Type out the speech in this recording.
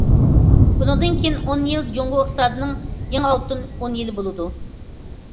بۇنىڭدىن كېيىنكى ئون يىل جۇڭگو ئىقتىسادىنىڭ يېڭى ئالتۇن ئون يىلى بولىدۇ.